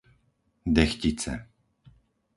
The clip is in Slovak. Dechtice